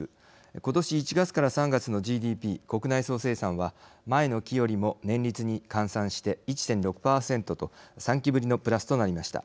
今年１月から３月のＧＤＰ国内総生産は前の期よりも年率に換算して１．６％と３期ぶりのプラスとなりました。